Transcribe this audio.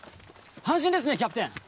安心ですねキャプテン！